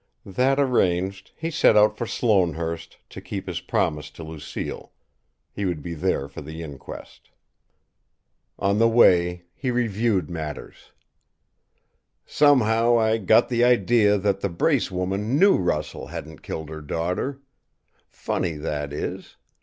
That arranged, he set out for Sloanehurst, to keep his promise to Lucille he would be there for the inquest. On the way he reviewed matters: "Somehow, I got the idea that the Brace woman knew Russell hadn't killed her daughter. Funny, that is.